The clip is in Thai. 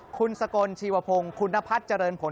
คุณสกลชีวพงศ์คุณนพัฒน์เจริญผล